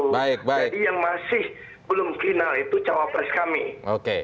jadi yang masih belum final itu cawapres kami